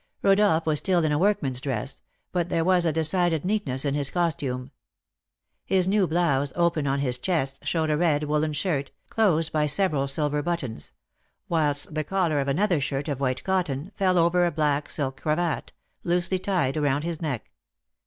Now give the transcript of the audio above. Rodolph was still in a workman's dress; but there was a decided neatness in his costume. His new blouse, open on his chest, showed a red woollen shirt, closed by several silver buttons; whilst the collar of another shirt, of white cotton, fell over a black silk cravat, loosely tied around his neck.